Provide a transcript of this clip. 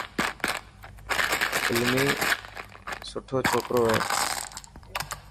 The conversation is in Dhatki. علمي سٺو چوڪرو آهي.